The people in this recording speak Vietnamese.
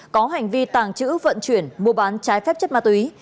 có hành vi tàng trữ vận chuyển mua bán trái phép chất ma túy